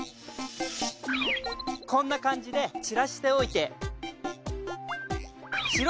こんな感じでちらしておいて。